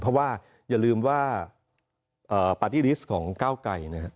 เพราะว่าอย่าลืมว่าปาร์ตี้ลิสต์ของก้าวไกรนะครับ